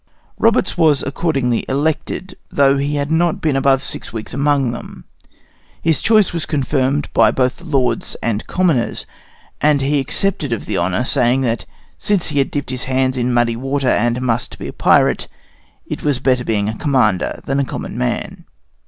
Roberts was accordingly elected, though he had not been above six weeks among them. The choice was confirmed both by the Lords and Commoners, and he accepted of the honor, saying that, since he had dipped his hands in muddy water and must be a pirate, it was better being a commander than a common man.